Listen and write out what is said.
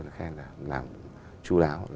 làm chú đào